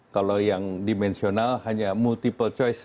kalau yang dimensional hanya multiple choice ujian di sma